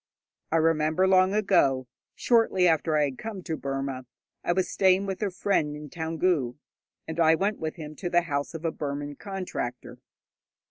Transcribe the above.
I remember long ago, shortly after I had come to Burma, I was staying with a friend in Toungoo, and I went with him to the house of a Burman contractor.